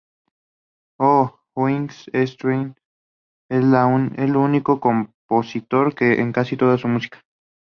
Oh Hyuk es trilingüe y es el único compositor en casi toda su música.